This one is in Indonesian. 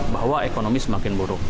bahwa ekonomi semakin buruk